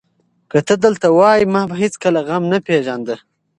که ته دلته وای، ما به هېڅکله غم نه پېژانده.